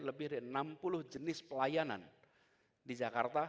lebih dari enam puluh jenis pelayanan di jakarta